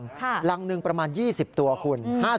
หลังหนึ่งประมาณ๒๐ตัวคุณ